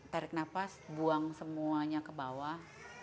tarik nafas buang semuanya ke bawah